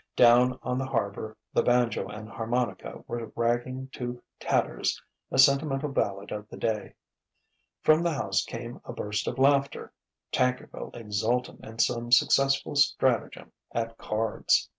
Down on the harbour the banjo and harmonica were ragging to tatters a sentimental ballad of the day. From the house came a burst of laughter Tankerville exultant in some successful stratagem at cards.